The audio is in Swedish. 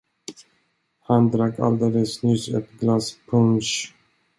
Han drack alldeles nyss ett glas punsch.